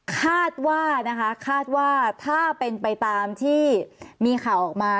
คาดว่านะคะคาดว่าถ้าเป็นไปตามที่มีข่าวออกมา